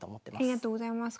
ありがとうございます。